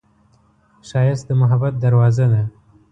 ښایست د محبت دروازه ده